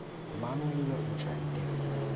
Emmanuel Lucenti